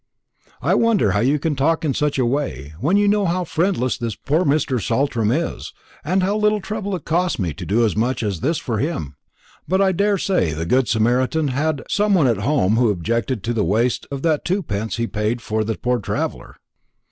"I wonder you can talk in such a way, when you know how friendless this poor Mr. Saltram is, and how little trouble it costs me to do as much as this for him. But I daresay the good Samaritan had some one at home who objected to the waste of that twopence he paid for the poor traveller."